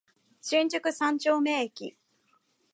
新宿三丁目駅